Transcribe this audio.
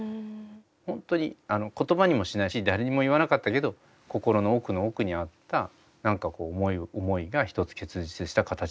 ホントに言葉にもしないし誰にも言わなかったけど心の奥の奥にあった何か思いが一つ結実した形なのかなと思って。